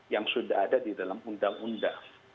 yang sudah ada di dalam undang undang